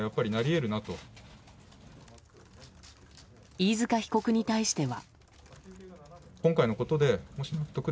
飯塚被告に対しては。